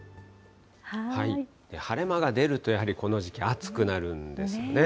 晴れ間が出ると、やはりこの時期、暑くなるんですよね。